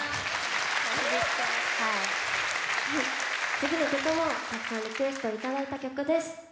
次の曲もたくさんリクエストいただいた曲です。